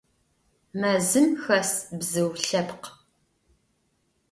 Mezım xes bzıu lhepkh.